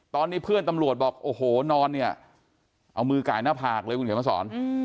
ตอนนี้เพื่อนตำรวจบอกโอ้โหนอนเนี่ยเอามือไก่หน้าผากเลยคุณเขียนมาสอน